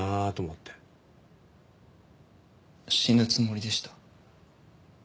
死ぬつもりでした。